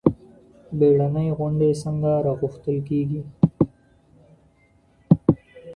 بیړنۍ غونډي څنګه راغوښتل کیږي؟